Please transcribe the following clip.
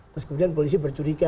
terus kemudian polisi bercuriga